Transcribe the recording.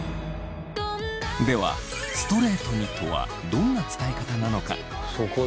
ではストレートにとはどんな伝え方なのか？